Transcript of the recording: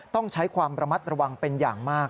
ต้องใช้ความระมัดระวังเป็นอย่างมาก